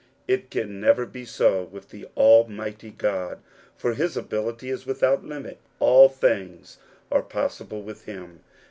It can never be so with ^^ Almighty God, for his ability is without XxxO^ All things are possible with him.